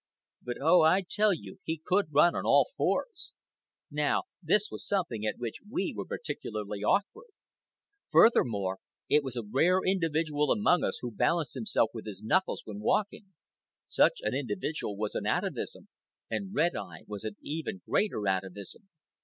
But oh, I tell you he could run on all fours! Now this was something at which we were particularly awkward. Furthermore, it was a rare individual among us who balanced himself with his knuckles when walking. Such an individual was an atavism, and Red Eye was an even greater atavism.